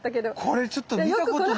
これちょっと見たことない。